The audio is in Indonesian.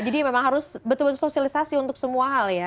jadi memang harus betul betul sosialisasi untuk semua hal ya